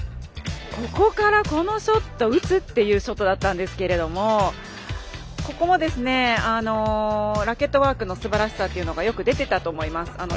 ここからこのショット打つ？っていうショットだったんですけどもここも、ラケットワークのすばらしさっていうのがよく出てたと思います。